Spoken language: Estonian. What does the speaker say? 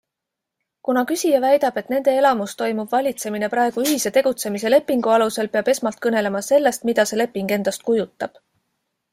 Kuna küsija väidab, et nende elamus toimub valitsemine praegu ühise tegutsemise lepingu alusel, peab esmalt kõnelema sellest, mida see leping endast kujutab.